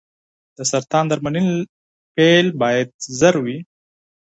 د سرطان درملنې پیل باید ژر وي.